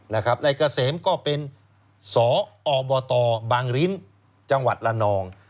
นายเกษมก็เป็นสอบตบางริ้นจังหวัดละนอง